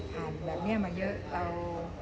แบบนี้มาเยอะเรา